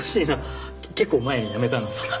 結構前にやめたんですけど。